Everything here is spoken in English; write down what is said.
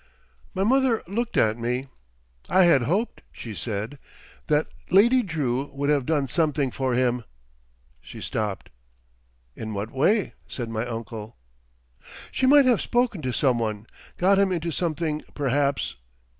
My mother looked at me. "I had hoped," she said, "that Lady Drew would have done something for him—" She stopped. "In what way?" said my uncle. "She might have spoken to some one, got him into something perhaps...."